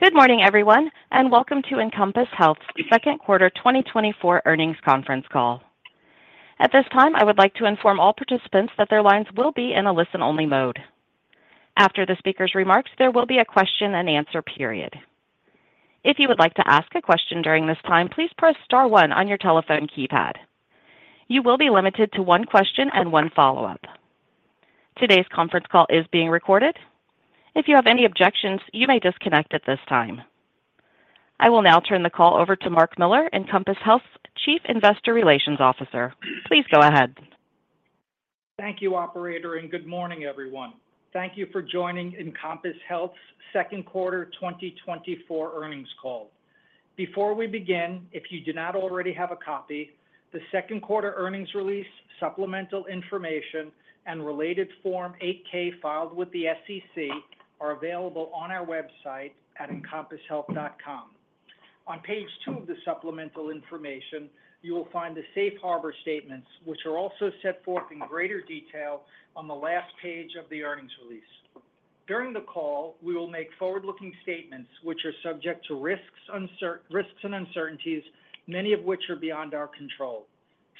Good morning, everyone, and welcome to Encompass Health's Second Quarter 2024 Earnings Conference call. At this time, I would like to inform all participants that their lines will be in a listen-only mode. After the speaker's remarks, there will be a question-and-answer period. If you would like to ask a question during this time, please press star one on your telephone keypad. You will be limited to one question and one follow-up. Today's conference call is being recorded. If you have any objections, you may disconnect at this time. I will now turn the call over to Mark Miller, Encompass Health's Chief Investor Relations Officer. Please go ahead. Thank you, operator, and good morning, everyone. Thank you for joining Encompass Health's second quarter 2024 earnings call. Before we begin, if you do not already have a copy, the second quarter earnings release, supplemental information, and related Form 8-K filed with the SEC are available on our website at encompasshealth.com. On page 2 of the supplemental information, you will find the safe harbor statements, which are also set forth in greater detail on the last page of the earnings release. During the call, we will make forward-looking statements which are subject to risks and uncertainties, many of which are beyond our control.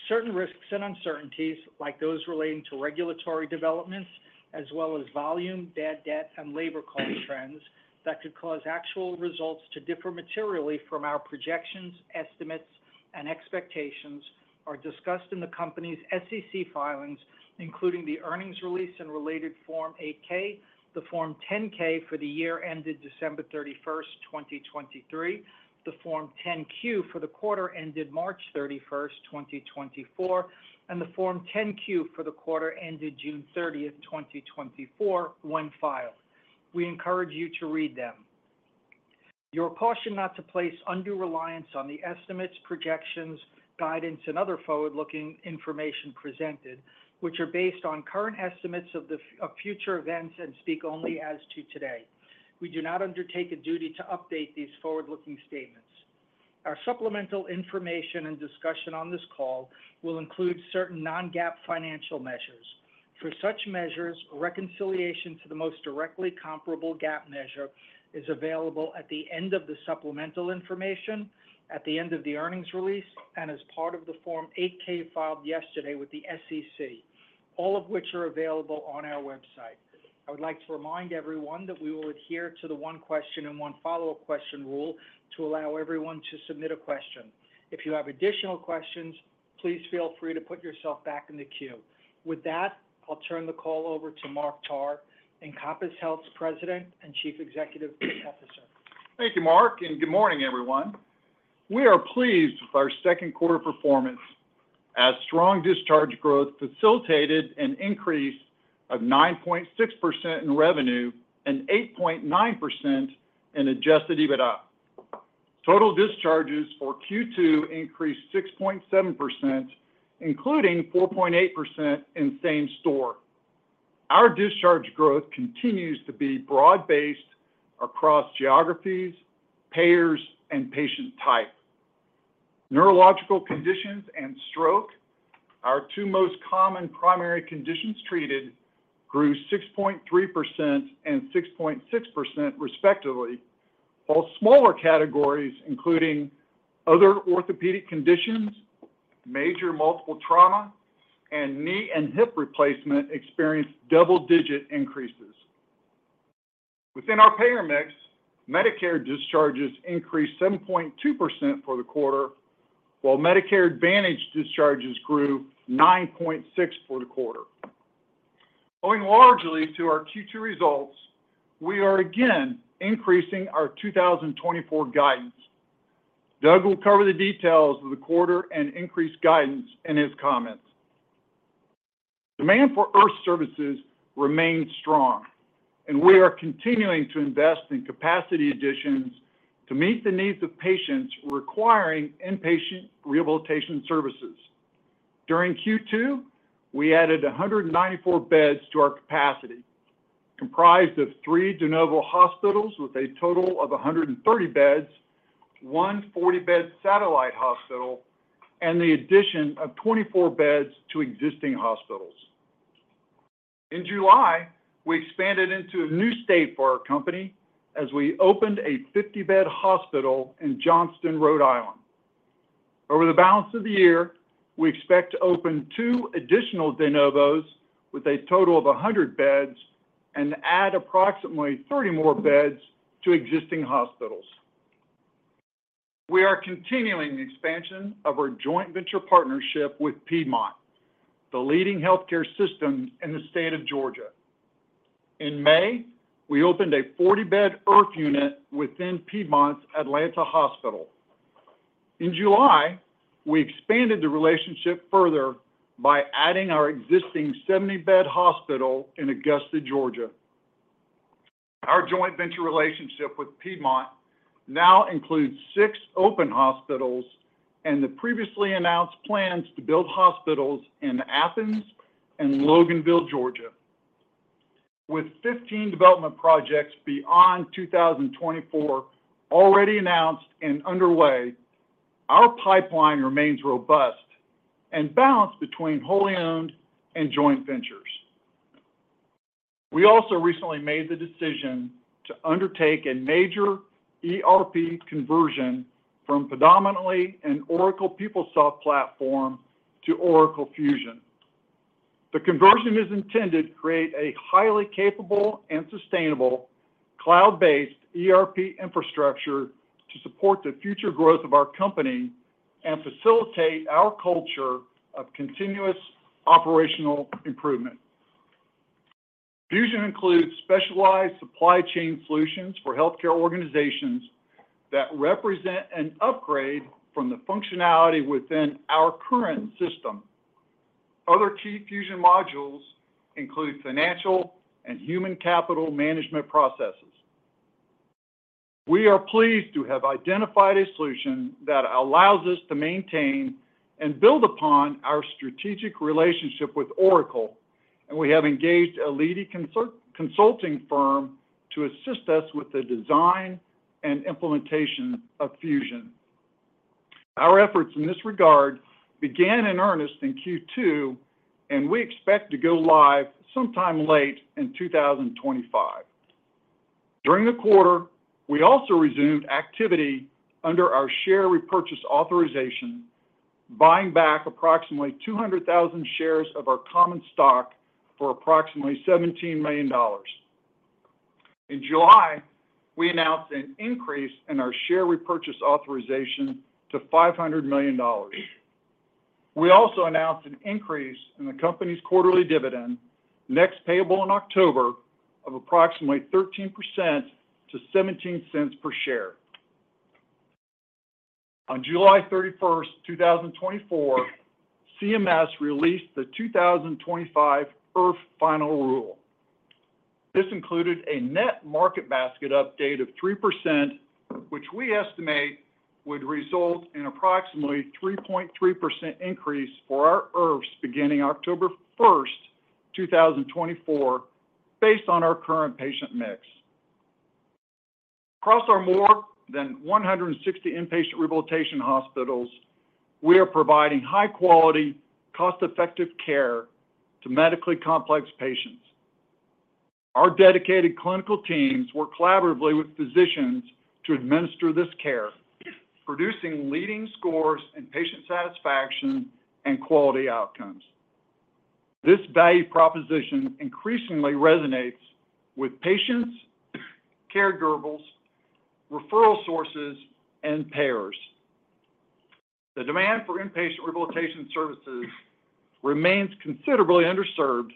Certain risks and uncertainties, like those relating to regulatory developments, as well as volume, bad debt, and labor cost trends that could cause actual results to differ materially from our projections, estimates, and expectations are discussed in the company's SEC filings, including the earnings release and related Form 8-K, the Form 10-K for the year ended December 31, 2023, the Form 10-Q for the quarter ended March 31, 2024, and the Form 10-Q for the quarter ended June 30, 2024, when filed. We encourage you to read them. You're cautioned not to place undue reliance on the estimates, projections, guidance, and other forward-looking information presented, which are based on current estimates of future events and speak only as to today. We do not undertake a duty to update these forward-looking statements. Our supplemental information and discussion on this call will include certain non-GAAP financial measures. For such measures, reconciliation to the most directly comparable GAAP measure is available at the end of the supplemental information, at the end of the earnings release, and as part of the Form 8-K filed yesterday with the SEC, all of which are available on our website. I would like to remind everyone that we will adhere to the one question and one follow-up question rule to allow everyone to submit a question. If you have additional questions, please feel free to put yourself back in the queue. With that, I'll turn the call over to Mark Tarr, Encompass Health's President and Chief Executive Officer. Thank you, Mark, and good morning, everyone. We are pleased with our second quarter performance as strong discharge growth facilitated an increase of 9.6% in revenue and 8.9% in Adjusted EBITDA. Total discharges for Q2 increased 6.7%, including 4.8% in same-store. Our discharge growth continues to be broad-based across geographies, payers, and patient type. Neurological conditions and stroke, our two most common primary conditions treated, grew 6.3% and 6.6%, respectively, while smaller categories, including other orthopedic conditions, major multiple trauma, and knee and hip replacement, experienced double-digit increases. Within our payer mix, Medicare discharges increased 7.2% for the quarter, while Medicare Advantage discharges grew 9.6% for the quarter. Owing largely to our Q2 results, we are again increasing our 2024 guidance. Douglas will cover the details of the quarter and increased guidance in his comments. Demand for IRF services remains strong, and we are continuing to invest in capacity additions to meet the needs of patients requiring inpatient rehabilitation services. During Q2, we added 194 beds to our capacity, comprised of three de novo hospitals with a total of 130 beds, one 40-bed satellite hospital, and the addition of 24 beds to existing hospitals. In July, we expanded into a new state for our company as we opened a 50-bed hospital in Johnston, Rhode Island. Over the balance of the year, we expect to open two additional de novos with a total of 100 beds and add approximately 30 more beds to existing hospitals. We are continuing the expansion of our joint venture partnership with Piedmont, the leading healthcare system in the state of Georgia. In May, we opened a 40-bed IRF unit within Piedmont's Atlanta hospital. In July, we expanded the relationship further by adding our existing 70-bed hospital in Augusta, Georgia. Our joint venture relationship with Piedmont now includes six open hospitals and the previously announced plans to build hospitals in Athens and Loganville, Georgia. With 15 development projects beyond 2024 already announced and underway, our pipeline remains robust and balanced between wholly owned and joint ventures.... We also recently made the decision to undertake a major ERP conversion from predominantly an Oracle PeopleSoft platform to Oracle Fusion. The conversion is intended to create a highly capable and sustainable cloud-based ERP infrastructure to support the future growth of our company and facilitate our culture of continuous operational improvement. Fusion includes specialized supply chain solutions for healthcare organizations that represent an upgrade from the functionality within our current system. Other key Fusion modules include financial and human capital management processes. We are pleased to have identified a solution that allows us to maintain and build upon our strategic relationship with Oracle, and we have engaged a leading consulting firm to assist us with the design and implementation of Fusion. Our efforts in this regard began in earnest in Q2, and we expect to go live sometime late in 2025. During the quarter, we also resumed activity under our share repurchase authorization, buying back approximately 200,000 shares of our common stock for approximately $17 million. In July, we announced an increase in our share repurchase authorization to $500 million. We also announced an increase in the company's quarterly dividend, next payable in October, of approximately 13% to $0.17 per share. On July 31, 2024, CMS released the 2025 IRF Final Rule. This included a net market basket update of 3%, which we estimate would result in approximately 3.3% increase for our IRFs beginning October 1, 2024, based on our current patient mix. Across our more than 160 inpatient rehabilitation hospitals, we are providing high-quality, cost-effective care to medically complex patients. Our dedicated clinical teams work collaboratively with physicians to administer this care, producing leading scores in patient satisfaction and quality outcomes. This value proposition increasingly resonates with patients, caregivers, referral sources, and payers. The demand for inpatient rehabilitation services remains considerably underserved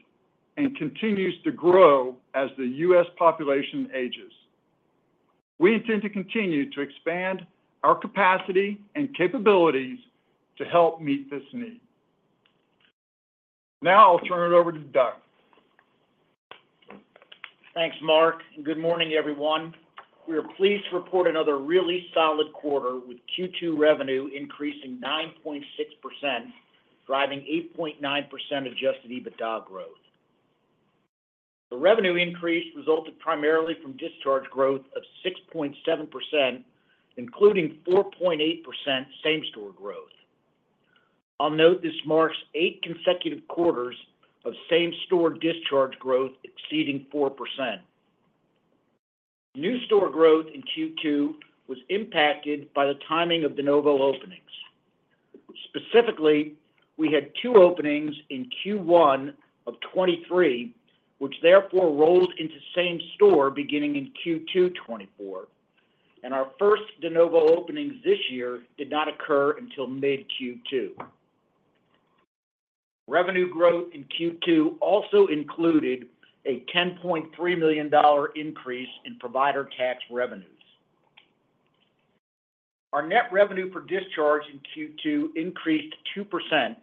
and continues to grow as the U.S. population ages. We intend to continue to expand our capacity and capabilities to help meet this need. Now I'll turn it over to Douglas. Thanks, Mark, and good morning, everyone. We are pleased to report another really solid quarter, with Q2 revenue increasing 9.6%, driving 8.9% Adjusted EBITDA growth. The revenue increase resulted primarily from discharge growth of 6.7%, including 4.8% same-store growth. I'll note this marks 8 consecutive quarters of same-store discharge growth exceeding 4%. New store growth in Q2 was impacted by the timing of de novo openings. Specifically, we had 2 openings in Q1 of 2023, which therefore rolled into same store beginning in Q2 2024, and our first de novo openings this year did not occur until mid-Q2. Revenue growth in Q2 also included a $10.3 million increase in provider tax revenues. Our net revenue per discharge in Q2 increased 2%,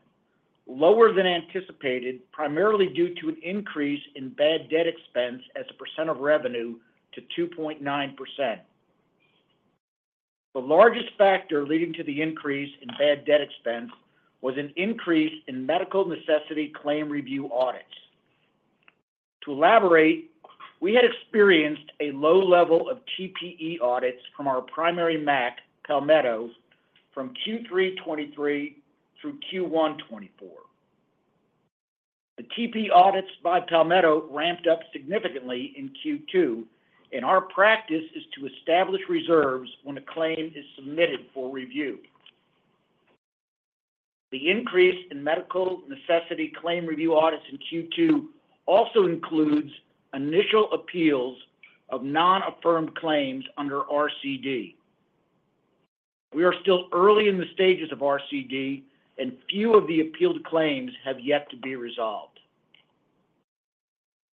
lower than anticipated, primarily due to an increase in bad debt expense as a percent of revenue to 2.9%. The largest factor leading to the increase in bad debt expense was an increase in medical necessity claim review audits. To elaborate, we had experienced a low level of TPE audits from our primary MAC, Palmetto, from Q3 2023 through Q1 2024. The TPE audits by Palmetto ramped up significantly in Q2, and our practice is to establish reserves when a claim is submitted for review. The increase in medical necessity claim review audits in Q2 also includes initial appeals of non-affirmed claims under RCD. We are still early in the stages of RCD, and few of the appealed claims have yet to be resolved.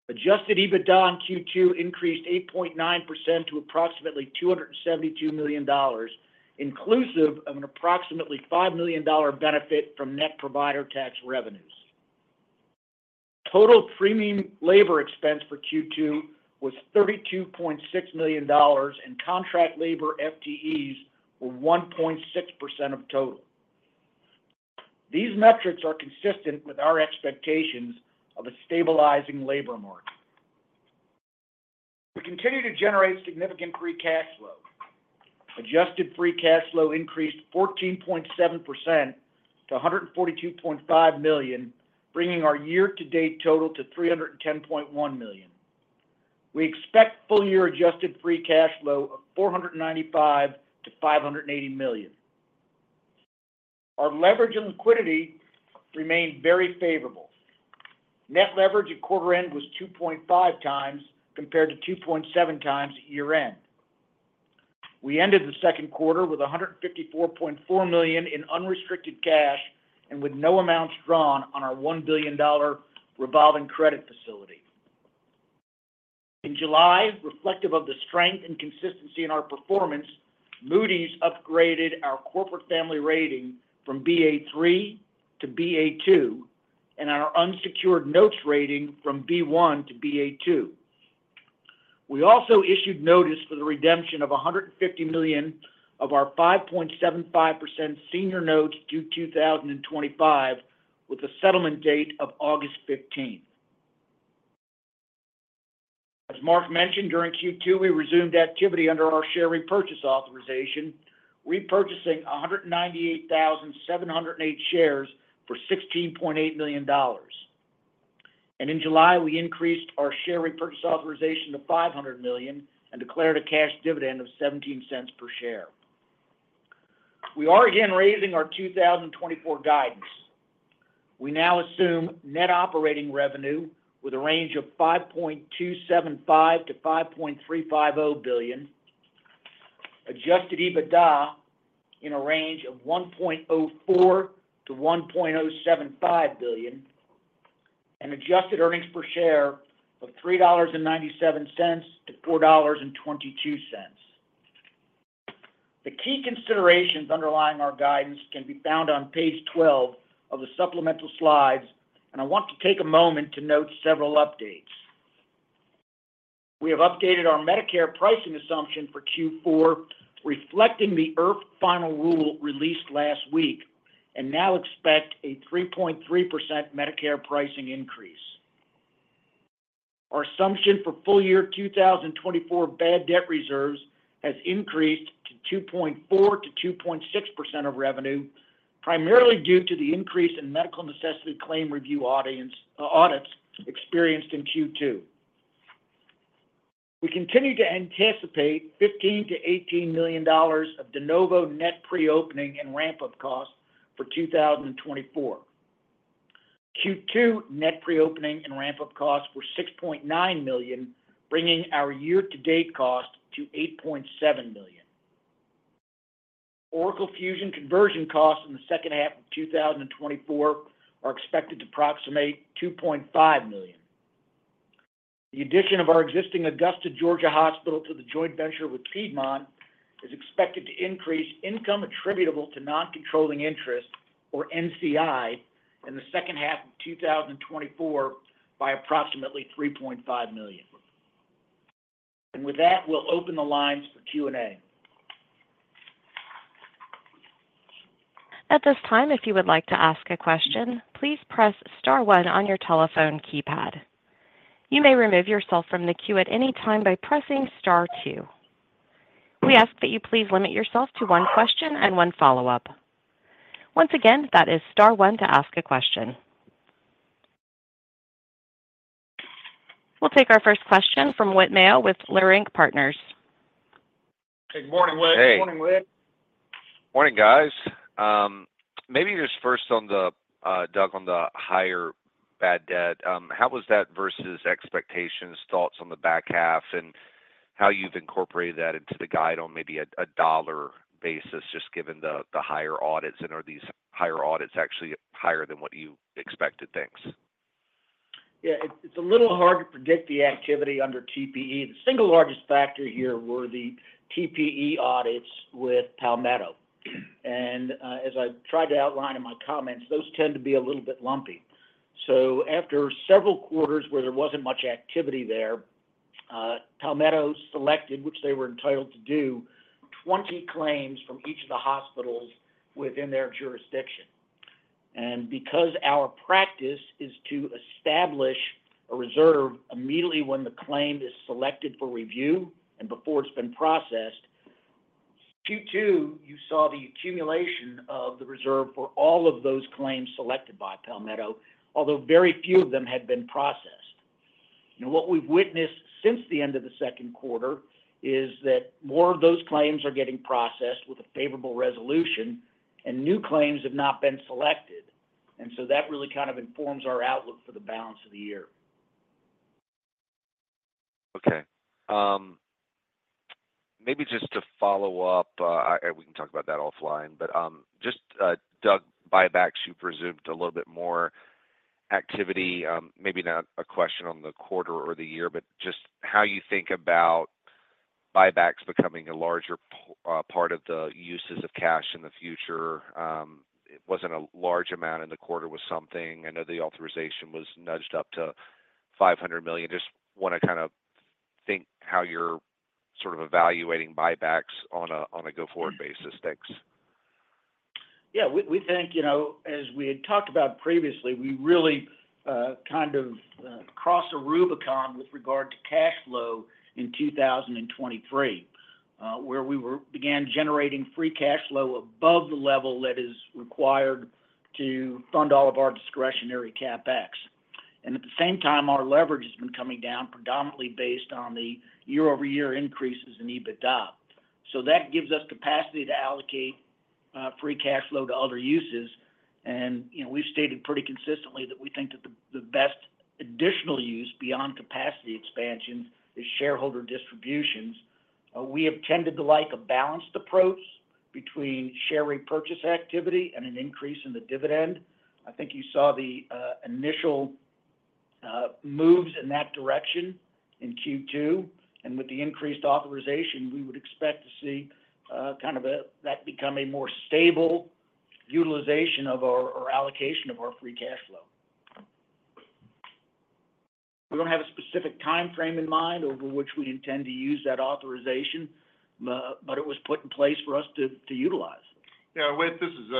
Adjusted EBITDA in Q2 increased 8.9% to approximately $272 million, inclusive of an approximately $5 million benefit from net provider tax revenues. Total premium labor expense for Q2 was $32.6 million, and contract labor FTEs were 1.6% of total. These metrics are consistent with our expectations of a stabilizing labor market. We continue to generate significant free cash flow. Adjusted free cash flow increased 14.7% to $142.5 million, bringing our year-to-date total to $310.1 million. We expect full year adjusted free cash flow of $495 million-$580 million. Our leverage and liquidity remained very favorable. Net leverage at quarter end was 2.5x, compared to 2.7x at year end. We ended the second quarter with $154.4 million in unrestricted cash, and with no amounts drawn on our $1 billion revolving credit facility. In July, reflective of the strength and consistency in our performance, Moody's upgraded our corporate family rating from Ba3 to Ba2, and our unsecured notes rating from B1 to Ba2. We also issued notice for the redemption of $150 million of our 5.75% senior notes due 2025, with a settlement date of August fifteenth. As Mark mentioned, during Q2, we resumed activity under our share repurchase authorization, repurchasing 198,708 shares for $16.8 million. In July, we increased our share repurchase authorization to $500 million, and declared a cash dividend of $0.17 per share. We are again raising our 2024 guidance. We now assume net operating revenue with a range of $5.275 billion-$5.35 billion, adjusted EBITDA in a range of $1.04 billion-$1.075 billion, and adjusted earnings per share of $3.97-$4.22. The key considerations underlying our guidance can be found on page 12 of the supplemental slides, and I want to take a moment to note several updates. We have updated our Medicare pricing assumption for Q4, reflecting the IRF final rule released last week, and now expect a 3.3% Medicare pricing increase. Our assumption for full year 2024 bad debt reserves has increased to 2.4%-2.6% of revenue, primarily due to the increase in medical necessity claim review audits experienced in Q2. We continue to anticipate $15 million-$18 million of de novo net pre-opening and ramp-up costs for 2024. Q2 net pre-opening and ramp-up costs were $6.9 million, bringing our year-to-date cost to $8.7 million. Oracle Fusion conversion costs in the second half of 2024 are expected to approximate $2.5 million. The addition of our existing Augusta, Georgia, hospital to the joint venture with Piedmont is expected to increase income attributable to non-controlling interest, or NCI, in the second half of 2024 by approximately $3.5 million. With that, we'll open the lines for Q&A. At this time, if you would like to ask a question, please press star one on your telephone keypad. You may remove yourself from the queue at any time by pressing star two. We ask that you please limit yourself to one question and one follow-up. Once again, that is star one to ask a question. We'll take our first question from Whit Mayo with Leerink Partners. Good morning, Whit. Morning, Whit. Morning, guys. Maybe just first on the Doug, on the higher bad debt, how was that versus expectations, thoughts on the back half, and how you've incorporated that into the guide on maybe a dollar basis, just given the higher audits, and are these higher audits actually higher than what you expected? Thanks. Yeah, it's, it's a little hard to predict the activity under TPE. The single largest factor here were the TPE audits with Palmetto. And, as I tried to outline in my comments, those tend to be a little bit lumpy. So after several quarters where there wasn't much activity there, Palmetto selected, which they were entitled to do, 20 claims from each of the hospitals within their jurisdiction. And because our practice is to establish a reserve immediately when the claim is selected for review and before it's been processed, Q2, you saw the accumulation of the reserve for all of those claims selected by Palmetto, although very few of them had been processed. Now, what we've witnessed since the end of the second quarter is that more of those claims are getting processed with a favorable resolution, and new claims have not been selected. That really kind of informs our outlook for the balance of the year. Okay. Maybe just to follow up, and we can talk about that offline. But, just, Doug, buybacks, you presumed a little bit more activity, maybe not a question on the quarter or the year, but just how you think about buybacks becoming a larger part of the uses of cash in the future. It wasn't a large amount in the quarter with something. I know the authorization was nudged up to $500 million. Just want to kind of think how you're sort of evaluating buybacks on a, on a go-forward basis. Thanks.... Yeah, we think, you know, as we had talked about previously, we really kind of crossed a Rubicon with regard to cash flow in 2023, where we began generating free cash flow above the level that is required to fund all of our discretionary CapEx. And at the same time, our leverage has been coming down predominantly based on the year-over-year increases in EBITDA. So that gives us capacity to allocate free cash flow to other uses. And, you know, we've stated pretty consistently that we think that the best additional use beyond capacity expansion is shareholder distributions. We have tended to like a balanced approach between share repurchase activity and an increase in the dividend. I think you saw the initial moves in that direction in Q2, and with the increased authorization, we would expect to see kind of that become a more stable utilization of our, or allocation of our free cash flow. We don't have a specific time frame in mind over which we intend to use that authorization, but it was put in place for us to utilize. Yeah, Whit, this is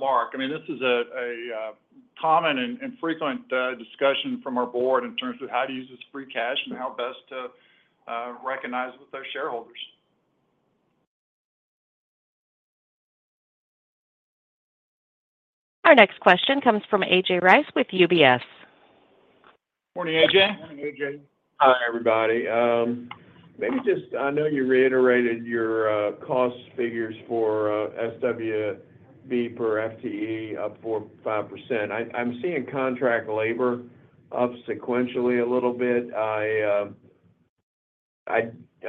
Mark. I mean, this is a common and frequent discussion from our board in terms of how to use this free cash and how best to recognize with our shareholders. Our next question comes from A.J. Rice with UBS. Morning, AJ. Morning, AJ. Hi, everybody. Maybe just... I know you reiterated your cost figures for SWB per FTE up 4%-5%. I'm seeing contract labor up sequentially a little bit. I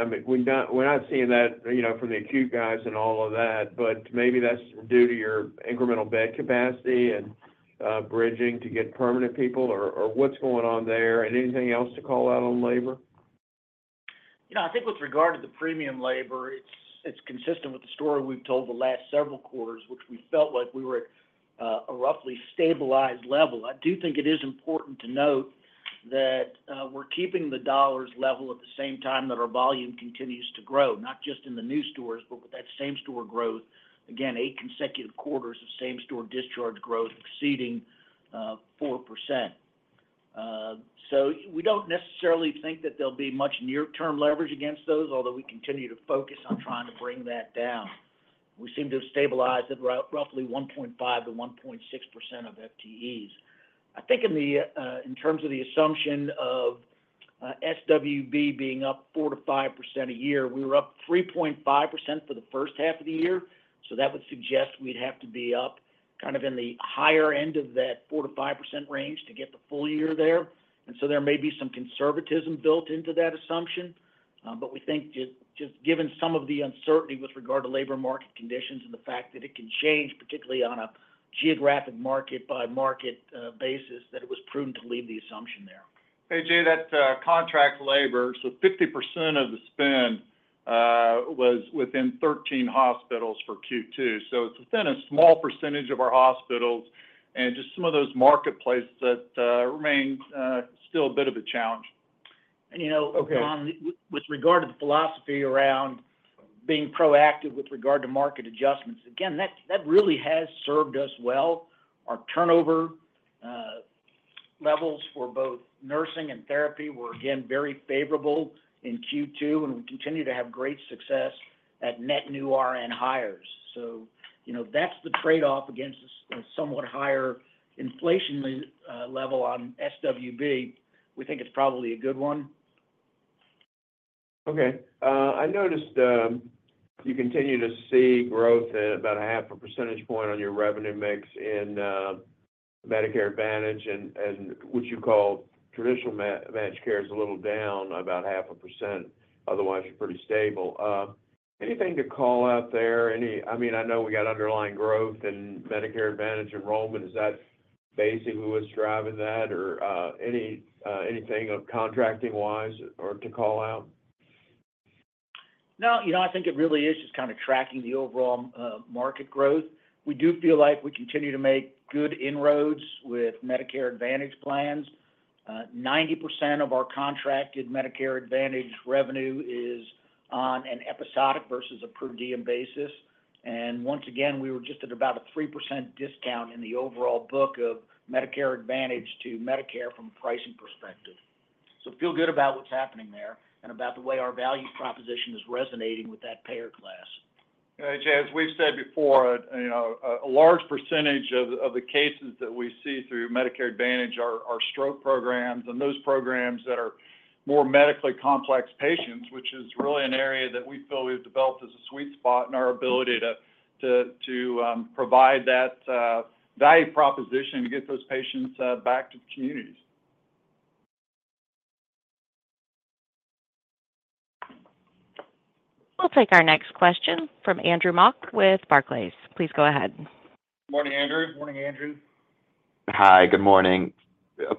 mean, we're not seeing that, you know, from the acute guys and all of that, but maybe that's due to your incremental bed capacity and bridging to get permanent people, or what's going on there? And anything else to call out on labor? You know, I think with regard to the premium labor, it's, it's consistent with the story we've told the last several quarters, which we felt like we were at a roughly stabilized level. I do think it is important to note that we're keeping the dollars level at the same time that our volume continues to grow, not just in the new stores, but with that same store growth. Again, eight consecutive quarters of same store discharge growth exceeding 4%. So we don't necessarily think that there'll be much near-term leverage against those, although we continue to focus on trying to bring that down. We seem to have stabilized at roughly 1.5%-1.6% of FTEs. I think in the, in terms of the assumption of, SWB being up 4%-5% a year, we were up 3.5% for the first half of the year, so that would suggest we'd have to be up kind of in the higher end of that 4%-5% range to get the full year there. And so there may be some conservatism built into that assumption, but we think just, just given some of the uncertainty with regard to labor market conditions and the fact that it can change, particularly on a geographic market by market, basis, that it was prudent to leave the assumption there. A.J., that contract labor, so 50% of the spend was within 13 hospitals for Q2. So it's within a small percentage of our hospitals and just some of those marketplaces that remain still a bit of a challenge. You know, Okay... with regard to the philosophy around being proactive with regard to market adjustments, again, that, that really has served us well. Our turnover levels for both nursing and therapy were again, very favorable in Q2, and we continue to have great success at net new RN hires. So, you know, that's the trade-off against a somewhat higher inflation level on SWB. We think it's probably a good one. Okay, I noticed you continue to see growth at about 0.5 percentage point on your revenue mix in Medicare Advantage, and what you call traditional Medicare is a little down, about 0.5%. Otherwise, pretty stable. Anything to call out there? I mean, I know we got underlying growth in Medicare Advantage enrollment. Is that basically what's driving that, or anything contracting-wise or to call out? No, you know, I think it really is just kind of tracking the overall market growth. We do feel like we continue to make good inroads with Medicare Advantage plans. 90% of our contracted Medicare Advantage revenue is on an episodic versus a per diem basis. And once again, we were just at about a 3% discount in the overall book of Medicare Advantage to Medicare from a pricing perspective. So feel good about what's happening there and about the way our value proposition is resonating with that payer class. A.J., as we've said before, you know, a large percentage of the cases that we see through Medicare Advantage are stroke programs and those programs that are more medically complex patients, which is really an area that we feel we've developed as a sweet spot in our ability to provide that value proposition to get those patients back to the communities. We'll take our next question from Andrew Mok with Barclays. Please go ahead. Morning, Andrew. Morning, Andrew. Hi, good morning.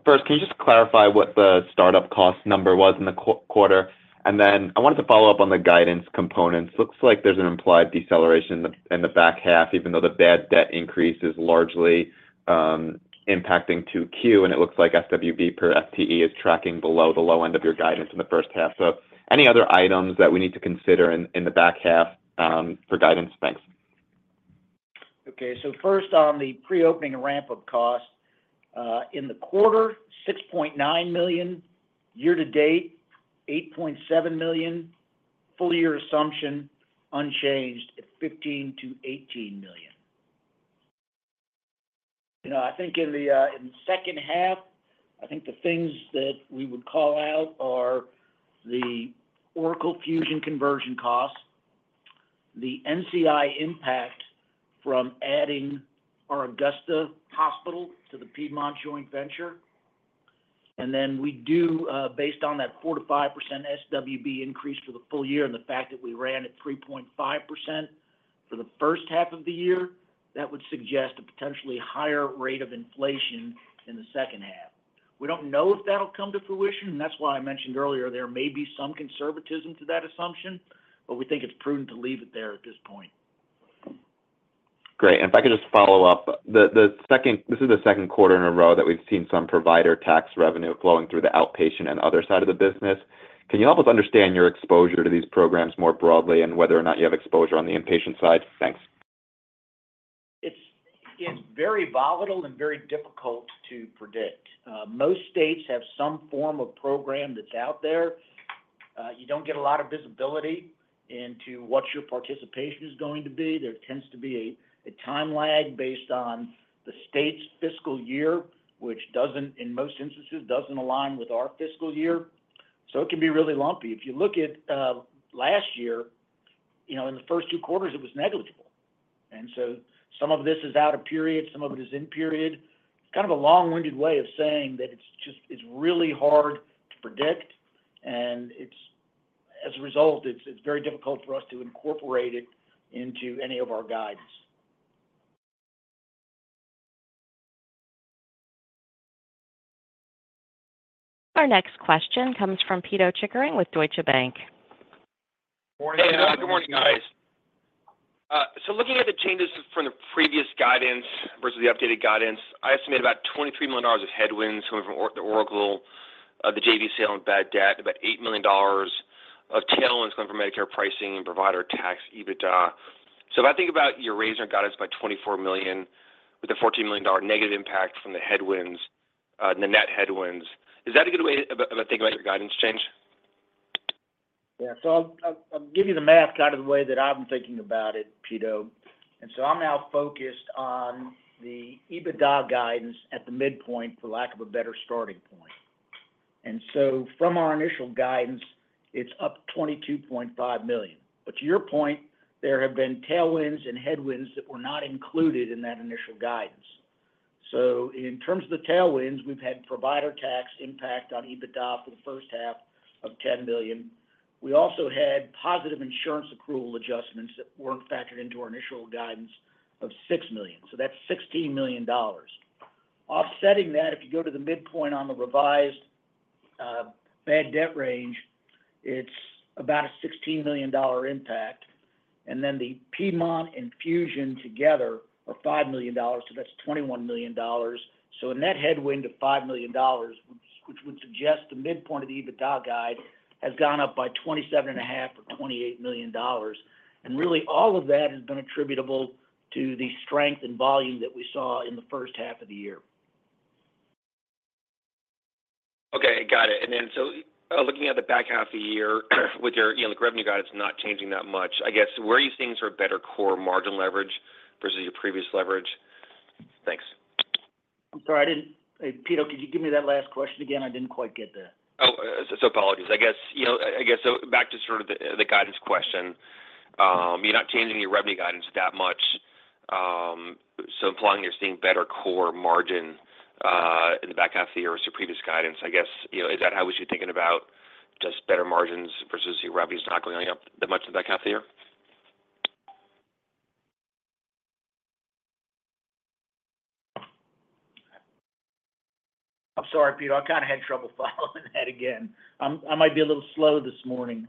First, can you just clarify what the startup cost number was in the quarter? And then I wanted to follow up on the guidance components. Looks like there's an implied deceleration in the back half, even though the bad debt increase is largely impacting 2Q, and it looks like SWB per FTE is tracking below the low end of your guidance in the first half. So any other items that we need to consider in the back half for guidance? Thanks.... Okay, so first on the pre-opening and ramp-up costs, in the quarter, $6.9 million. Year to date, $8.7 million. Full year assumption, unchanged at $15 million-$18 million. You know, I think in the second half, I think the things that we would call out are the Oracle Fusion conversion costs, the NCI impact from adding our Augusta Hospital to the Piedmont Joint Venture. And then we do, based on that 4%-5% SWB increase for the full year, and the fact that we ran at 3.5% for the first half of the year, that would suggest a potentially higher rate of inflation in the second half. We don't know if that'll come to fruition, and that's why I mentioned earlier, there may be some conservatism to that assumption, but we think it's prudent to leave it there at this point. Great. And if I could just follow up, this is the second quarter in a row that we've seen some provider tax revenue flowing through the outpatient and other side of the business. Can you help us understand your exposure to these programs more broadly, and whether or not you have exposure on the inpatient side? Thanks. It's very volatile and very difficult to predict. Most states have some form of program that's out there. You don't get a lot of visibility into what your participation is going to be. There tends to be a time lag based on the state's fiscal year, which doesn't, in most instances, align with our fiscal year, so it can be really lumpy. If you look at last year, you know, in the first two quarters, it was negligible. So some of this is out of period, some of it is in period. It's kind of a long-winded way of saying that it's just really hard to predict, and it's, as a result, very difficult for us to incorporate it into any of our guidance. Our next question comes from Pito Chickering with Deutsche Bank. Good morning, guys. So looking at the changes from the previous guidance versus the updated guidance, I estimate about $23 million of headwinds coming from Oracle, the JV sale and bad debt, about $8 million of tailwinds coming from Medicare pricing and provider tax EBITDA. So if I think about you're raising our guidance by $24 million, with a $14 million negative impact from the headwinds, the net headwinds, is that a good way to think about your guidance change? Yeah. So I'll give you the math kind of the way that I'm thinking about it, Pito. And so I'm now focused on the EBITDA guidance at the midpoint, for lack of a better starting point. And so from our initial guidance, it's up $22.5 million. But to your point, there have been tailwinds and headwinds that were not included in that initial guidance. So in terms of the tailwinds, we've had provider tax impact on EBITDA for the first half of $10 million. We also had positive insurance accrual adjustments that weren't factored into our initial guidance of $6 million, so that's $16 million. Offsetting that, if you go to the midpoint on the revised bad debt range, it's about a $16 million impact, and then the Piedmont and Fusion together are $5 million, so that's $21 million. So a net headwind of $5 million, which would suggest the midpoint of the EBITDA guide has gone up by $27.5 million or $28 million. And really, all of that has been attributable to the strength and volume that we saw in the first half of the year. Okay, got it. And then, looking at the back half of the year, with your, you know, revenue guidance not changing that much, I guess, where are you seeing sort of better core margin leverage versus your previous leverage? Thanks. I'm sorry, I didn't... Pito, could you give me that last question again? I didn't quite get that. Oh, so apologies. I guess, you know, I guess, so back to sort of the, the guidance question. You're not changing your revenue guidance that much, so implying you're seeing better core margin, in the back half of the year as your previous guidance. I guess, you know, is that how we should be thinking about just better margins versus your revenue is not going up that much in the back half of the year? I'm sorry, Pito, I kinda had trouble following that again. I might be a little slow this morning.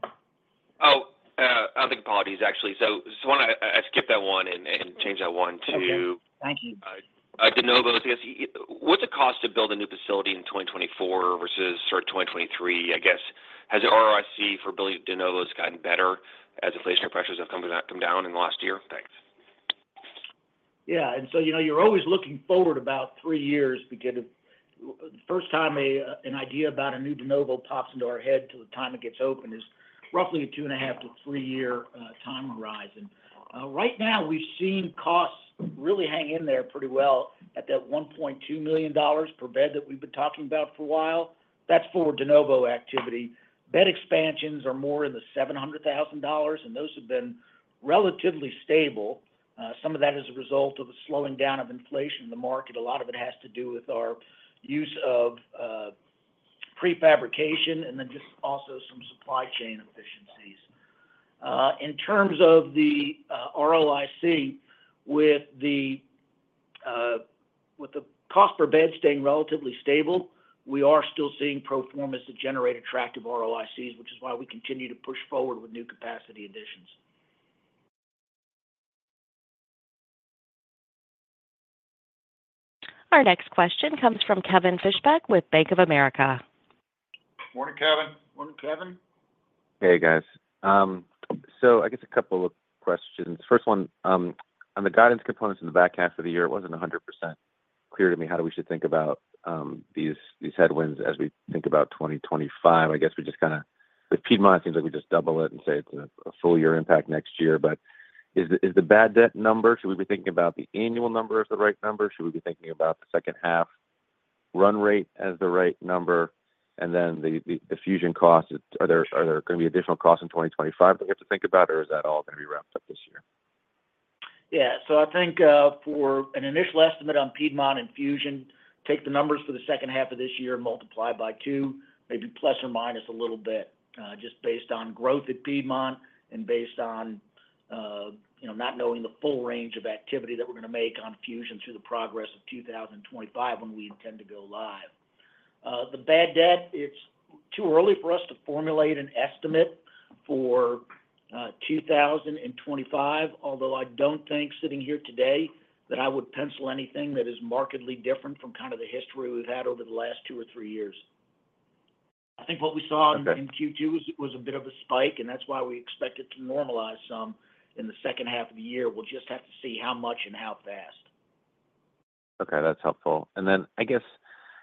Oh, I think, apologies, actually. So when I skipped that one and changed that one to- Okay. Thank you. De novo. So I guess, what's the cost to build a new facility in 2024 versus sort of 2023, I guess? Has the ROIC for building de novos gotten better as inflationary pressures have come down in the last year? Thanks. Yeah, and so, you know, you're always looking forward about three years to get a first time an idea about a new de novo pops into our head to the time it gets open is roughly a 2.5 to 3-year time horizon. Right now, we've seen costs really hang in there pretty well at that $1.2 million per bed that we've been talking about for a while. That's for de novo activity. Bed expansions are more in the $700,000, and those have been relatively stable. Some of that is a result of the slowing down of inflation in the market. A lot of it has to do with our use of prefabrication, and then just also some supply chain efficiencies. In terms of the ROIC, with the cost per bed staying relatively stable, we are still seeing pro formas that generate attractive ROICs, which is why we continue to push forward with new capacity additions. Our next question comes from Kevin Fishbeck with Bank of America. Morning, Kevin. Morning, Kevin. Hey, guys. So I guess a couple of questions. First one, on the guidance components in the back half of the year, it wasn't 100% clear to me how we should think about, these headwinds as we think about 2025. I guess we just kinda, with Piedmont, it seems like we just double it and say it's a full year impact next year. But is the bad debt number, should we be thinking about the annual number as the right number? Should we be thinking about the second half run rate as the right number? And then the fusion costs, are there gonna be additional costs in 2025 that we have to think about, or is that all gonna be wrapped up this year? Yeah. So I think, for an initial estimate on Piedmont and Fusion, take the numbers for the second half of this year, multiply by 2, maybe plus or minus a little bit, just based on growth at Piedmont and based on, you know, not knowing the full range of activity that we're gonna make on Fusion through the progress of 2025 when we intend to go live. The bad debt, it's too early for us to formulate an estimate for, 2025, although I don't think sitting here today, that I would pencil anything that is markedly different from kind of the history we've had over the last 2 or 3 years. I think what we saw- Okay... in Q2 was a bit of a spike, and that's why we expect it to normalize some in the second half of the year. We'll just have to see how much and how fast. Okay, that's helpful. And then I guess,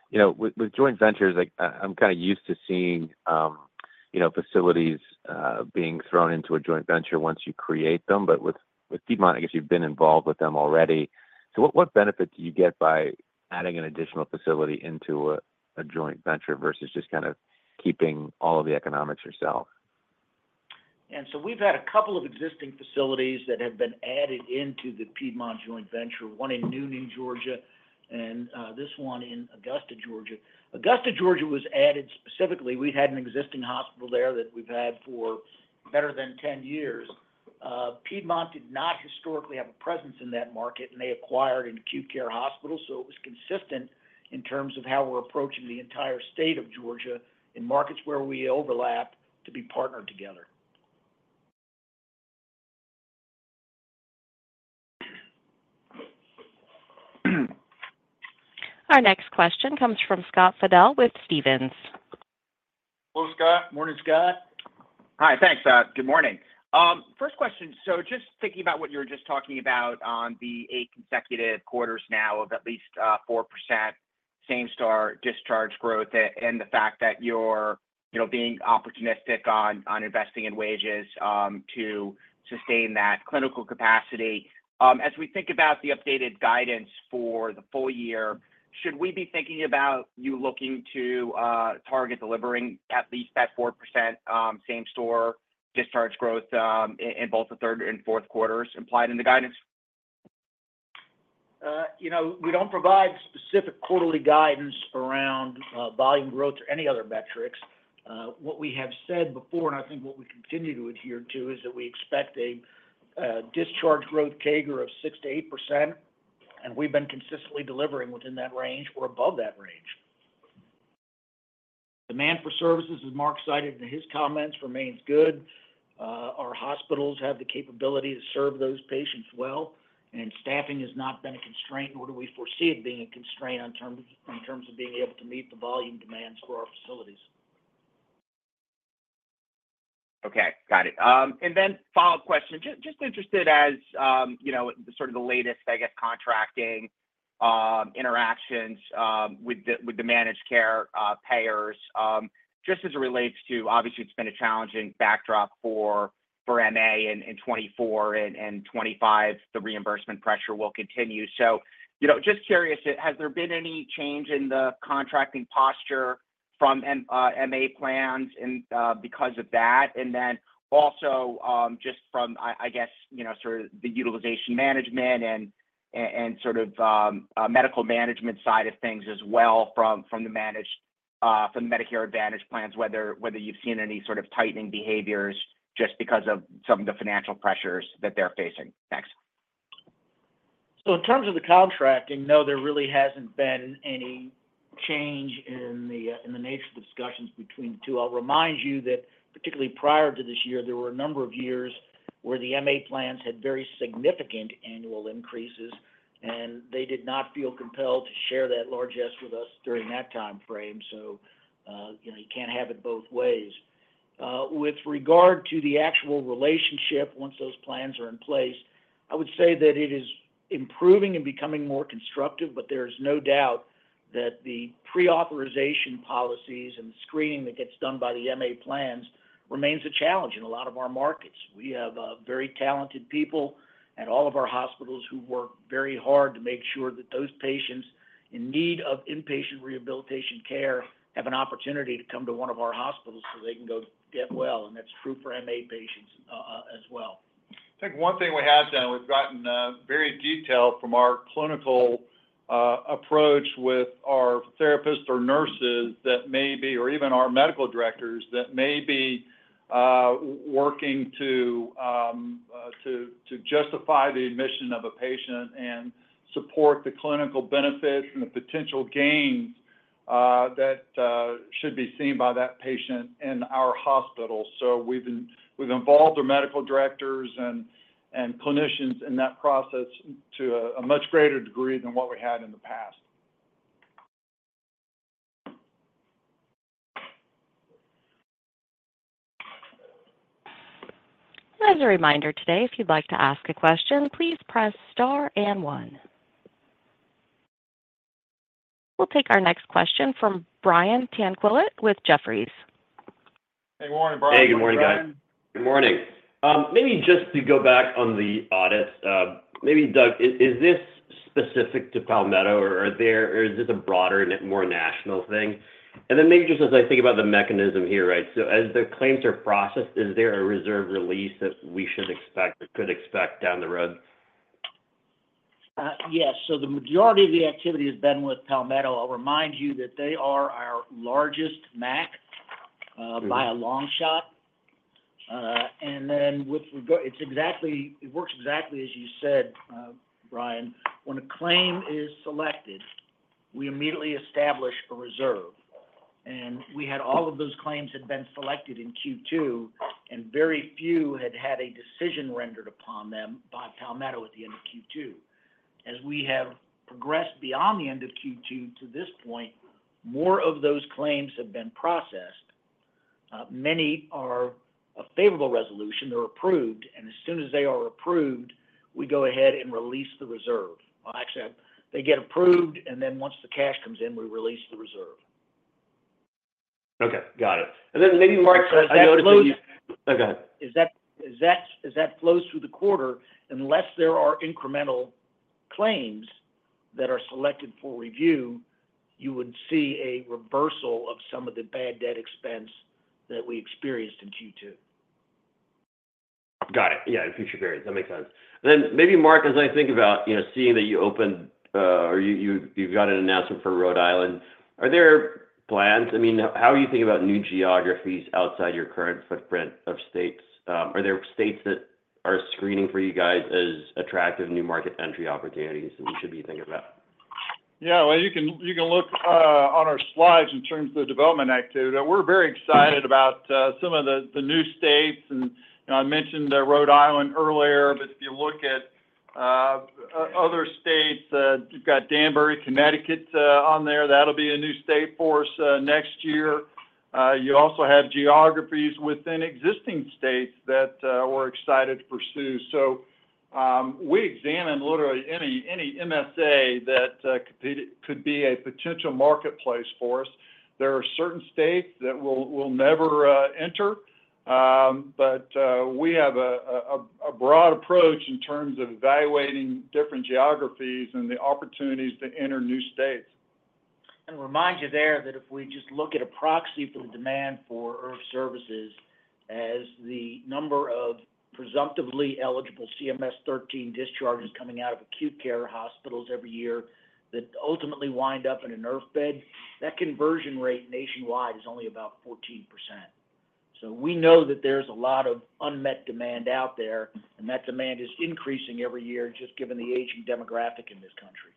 you know, with joint ventures, like, I'm kinda used to seeing facilities being thrown into a joint venture once you create them. But with Piedmont, I guess you've been involved with them already. So what benefit do you get by adding an additional facility into a joint venture versus just kinda keeping all of the economics yourself? And so we've had a couple of existing facilities that have been added into the Piedmont joint venture, one in Newnan, Georgia, and this one in Augusta, Georgia. Augusta, Georgia, was added specifically. We had an existing hospital there that we've had for better than 10 years. Piedmont did not historically have a presence in that market, and they acquired an acute care hospital, so it was consistent in terms of how we're approaching the entire state of Georgia in markets where we overlap to be partnered together. Our next question comes from Scott Fidel with Stephens. Hello, Scott. Morning, Scott. Hi, thanks. Good morning. First question, so just thinking about what you were just talking about on the 8 consecutive quarters now of at least 4% same-store discharge growth and the fact that you're, you know, being opportunistic on investing in wages to sustain that clinical capacity. As we think about the updated guidance for the full year, should we be thinking about you looking to target delivering at least that 4% same-store discharge growth in both the third and fourth quarters implied in the guidance? You know, we don't provide specific quarterly guidance around volume growth or any other metrics. What we have said before, and I think what we continue to adhere to, is that we expect a discharge growth CAGR of 6%-8%, and we've been consistently delivering within that range or above that range. Demand for services, as Mark cited in his comments, remains good. Our hospitals have the capability to serve those patients well, and staffing has not been a constraint, nor do we foresee it being a constraint in terms of being able to meet the volume demands for our facilities. Okay, got it. And then follow-up question, just, just interested as, you know, sort of the latest, I guess, contracting, interactions, with the, with the managed care, payers, just as it relates to, obviously, it's been a challenging backdrop for, for MA in, in 2024 and, and 2025, the reimbursement pressure will continue. So, you know, just curious, has there been any change in the contracting posture from, MA plans and, because of that? And then also, just from I, I guess, you know, sort of the utilization management and, and sort of, medical management side of things as well, from, from the managed, from the Medicare Advantage plans, whether you've seen any sort of tightening behaviors just because of some of the financial pressures that they're facing. Thanks. So in terms of the contracting, no, there really hasn't been any change in the nature of the discussions between the two. I'll remind you that, particularly prior to this year, there were a number of years where the MA plans had very significant annual increases, and they did not feel compelled to share that largesse with us during that time frame. So, you know, you can't have it both ways. With regard to the actual relationship, once those plans are in place, I would say that it is improving and becoming more constructive, but there is no doubt that the pre-authorization policies and the screening that gets done by the MA plans remains a challenge in a lot of our markets. We have very talented people at all of our hospitals who work very hard to make sure that those patients in need of inpatient rehabilitation care have an opportunity to come to one of our hospitals so they can go get well, and that's true for MA patients, as well. I think one thing we have done, we've gotten very detailed from our clinical approach with our therapists or nurses that may be, or even our medical directors, that may be working to justify the admission of a patient and support the clinical benefits and the potential gains that should be seen by that patient in our hospital. So we've been. We've involved our medical directors and clinicians in that process to a much greater degree than what we had in the past. As a reminder today, if you'd like to ask a question, please press Star and One. We'll take our next question from Brian Tanquilut with Jefferies. Hey, morning, Brian. Hey, good morning, guys. Good morning, Brian. Good morning. Maybe just to go back on the audits, maybe, Douglas, is this specific to Palmetto, or is this a broader and more national thing? And then maybe just as I think about the mechanism here, right? So as the claims are processed, is there a reserve release that we should expect or could expect down the road? Yes. So the majority of the activity has been with Palmetto. I'll remind you that they are our largest MAC, by a long shot. And then it works exactly as you said, Brian. When a claim is selected, we immediately establish a reserve, and we had all of those claims had been selected in Q2, and very few had had a decision rendered upon them by Palmetto at the end of Q2. As we have progressed beyond the end of Q2 to this point, more of those claims have been processed. Many are a favorable resolution. They're approved, and as soon as they are approved, we go ahead and release the reserve. Well, actually, they get approved, and then once the cash comes in, we release the reserve. Okay, got it. And then maybe, Mark, I noticed that you- As that flows- Oh, go ahead. As that flows through the quarter, unless there are incremental claims that are selected for review, you would see a reversal of some of the bad debt expense that we experienced in Q2. Got it. Yeah, in future periods. That makes sense. Then maybe, Mark, as I think about, you know, seeing that you opened or you've got an announcement for Rhode Island, are there plans? I mean, how are you thinking about new geographies outside your current footprint of states? Are there states that are screaming for you guys as attractive new market entry opportunities that we should be thinking about? Yeah, well, you can look on our slides in terms of the development activity. We're very excited about some of the new states, and I mentioned Rhode Island earlier, but if you look at other states, you've got Danbury, Connecticut on there. That'll be a new state for us next year. You also have geographies within existing states that we're excited to pursue. So, we examine literally any MSA that could be a potential marketplace for us. There are certain states that we'll never enter, but we have a broad approach in terms of evaluating different geographies and the opportunities to enter new states. And remind you there that if we just look at a proxy for the demand for IRF services as the number of presumptively eligible CMS 13 discharges coming out of acute care hospitals every year that ultimately wind up in an IRF bed, that conversion rate nationwide is only about 14%. So we know that there's a lot of unmet demand out there, and that demand is increasing every year, just given the aging demographic in this country.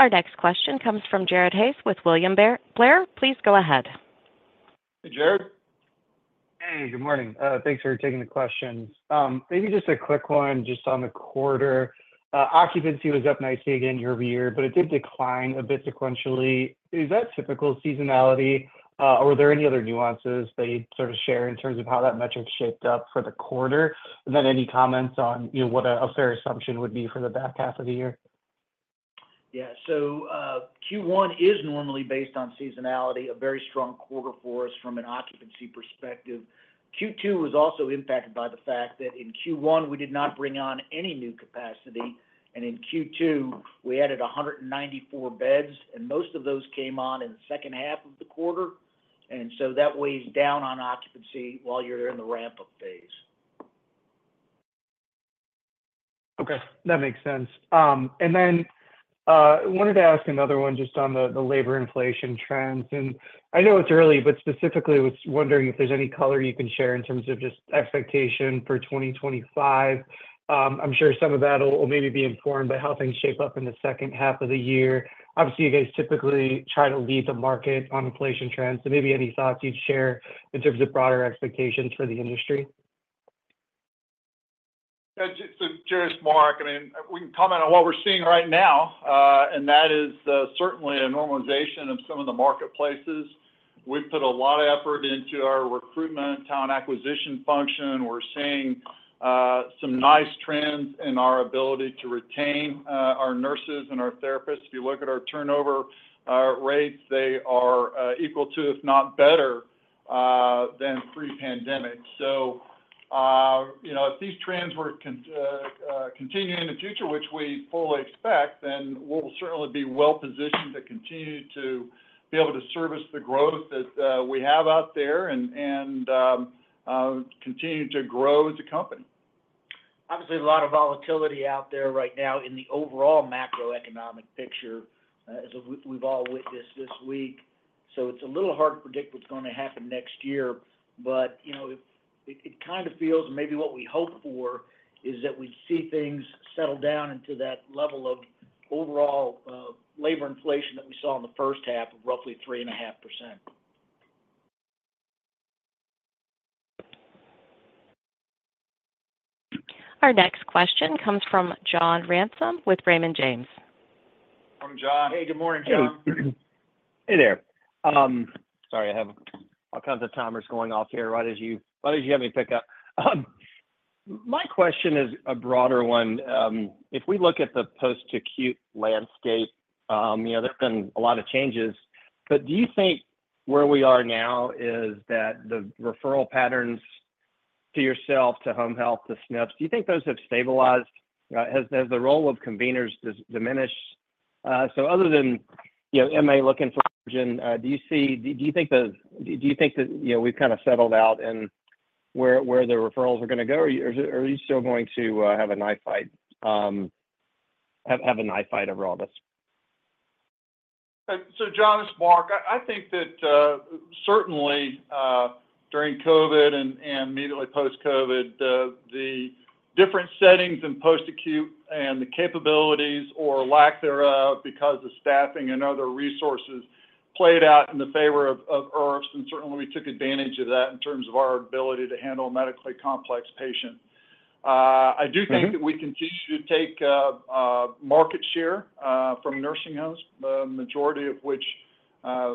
Our next question comes from Jared Haase with William Blair. Please go ahead. Hey, Jared. Hey, good morning. Thanks for taking the questions. Maybe just a quick one just on the quarter. Occupancy was up nicely again year over year, but it did decline a bit sequentially. Is that typical seasonality, or were there any other nuances that you'd sort of share in terms of how that metric shaped up for the quarter? And then any comments on, you know, what a fair assumption would be for the back half of the year? Yeah. So, Q1 is normally, based on seasonality, a very strong quarter for us from an occupancy perspective. Q2 was also impacted by the fact that in Q1, we did not bring on any new capacity, and in Q2, we added 194 beds, and most of those came on in the second half of the quarter, and so that weighs down on occupancy while you're in the ramp-up phase. Okay, that makes sense. And then wanted to ask another one just on the labor inflation trends, and I know it's early, but specifically, I was wondering if there's any color you can share in terms of just expectation for 2025. I'm sure some of that will maybe be informed by how things shape up in the second half of the year. Obviously, you guys typically try to lead the market on inflation trends, so maybe any thoughts you'd share in terms of broader expectations for the industry? Just, so Jared, Mark, I mean, we can comment on what we're seeing right now, and that is certainly a normalization of some of the marketplaces. We've put a lot of effort into our recruitment and talent acquisition function. We're seeing some nice trends in our ability to retain our nurses and our therapists. If you look at our turnover rates, they are equal to, if not better, than pre-pandemic. So, you know, if these trends were to continue in the future, which we fully expect, then we'll certainly be well-positioned to continue to be able to service the growth that we have out there and continue to grow as a company. Obviously, a lot of volatility out there right now in the overall macroeconomic picture, as we've all witnessed this week.... So it's a little hard to predict what's going to happen next year, but, you know, it kind of feels, and maybe what we hope for, is that we see things settle down into that level of overall, labor inflation that we saw in the first half of roughly 3.5%. Our next question comes from John Ransom with Raymond James. From John. Hey, good morning, John. Hey there. Sorry, I have all kinds of timers going off here right as you—why don't you have me pick up? My question is a broader one. If we look at the post-acute landscape, you know, there's been a lot of changes, but do you think where we are now is that the referral patterns to yourself, to home health, to SNFs, do you think those have stabilized? Has the role of conveners diminished? So other than, you know, MA looking for, do you see—do you think that, you know, we've kind of settled out in where the referrals are gonna go, or are you still going to have a knife fight over all this? So John, it's Mark. I think that certainly during COVID and immediately post-COVID, the different settings in post-acute and the capabilities or lack thereof, because of staffing and other resources, played out in the favor of IRFs, and certainly we took advantage of that in terms of our ability to handle a medically complex patient. I do think- Mm-hmm... that we continue to take market share from nursing homes, the majority of which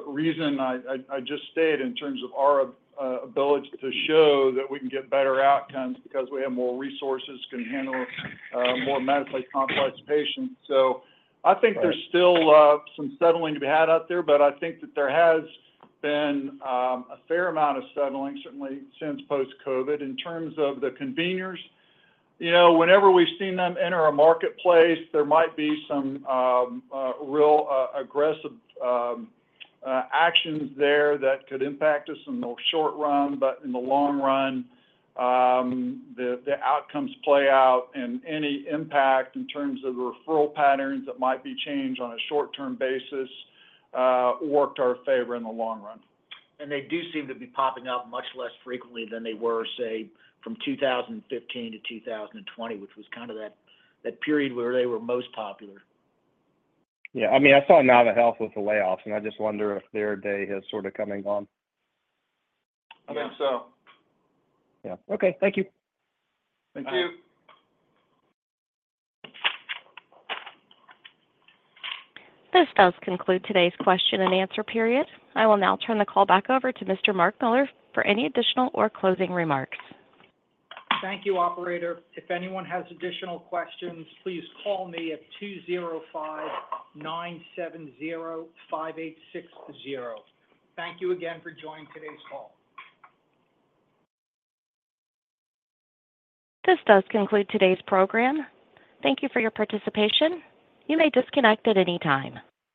reason I just stated in terms of our ability to show that we can get better outcomes because we have more resources, can handle more medically complex patients. So I think there's still some settling to be had out there, but I think that there has been a fair amount of settling, certainly since post-COVID. In terms of the conveners, you know, whenever we've seen them enter a marketplace, there might be some real aggressive actions there that could impact us in the short run, but in the long run, the outcomes play out, and any impact in terms of the referral patterns that might be changed on a short-term basis worked our favor in the long run. They do seem to be popping up much less frequently than they were, say, from 2015 to 2020, which was kind of that period where they were most popular. Yeah. I mean, I saw naviHealth with the layoffs, and I just wonder if their day has sort of come and gone. I think so. Yeah. Okay. Thank you. Thank you. This does conclude today's question and answer period. I will now turn the call back over to Mr. Mark Miller for any additional or closing remarks. Thank you, operator. If anyone has additional questions, please call me at 205-970-5860. Thank you again for joining today's call. This does conclude today's program. Thank you for your participation. You may disconnect at any time.